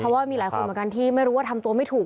เพราะว่ามีหลายคนเหมือนกันที่ไม่รู้ว่าทำตัวไม่ถูก